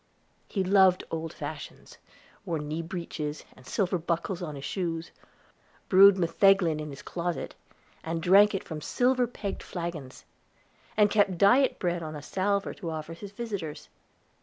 He loved old fashions; wore knee breeches, and silver buckles in his shoes; brewed metheglin in his closet, and drank it from silver pegged flagons; and kept diet bread on a salver to offer his visitors.